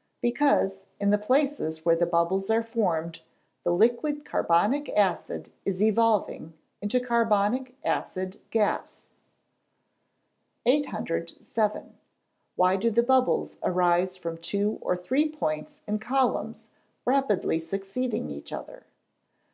_ Because, in the places where the bubbles are formed, the liquid carbonic acid is evolving into carbonic acid gas. 807. _Why do the bubbles arise from two or three points in columns, rapidly succeeding each other?